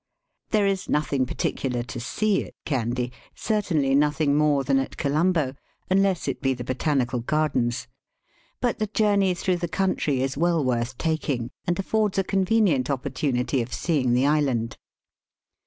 There is nothing particular to see at Kandy, certainly nothing more than at Colombo, unless it be the Botanical Gardens. But the journey through the country is well worth taking, and affords a convenient opportunity of seeing the island.